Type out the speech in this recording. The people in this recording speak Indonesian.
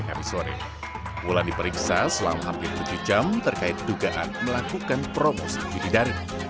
hari sore wulan diperiksa selama hampir tujuh jam terkait dugaan melakukan promosi didari